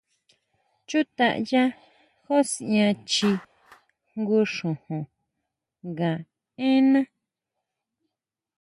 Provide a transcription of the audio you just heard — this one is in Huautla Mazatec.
Chutʼaya jusian chji jngu xojon nga énna.